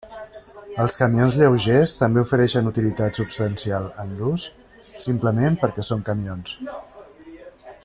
Els camions lleugers també ofereixen utilitat substancial en l'ús, simplement perquè són camions.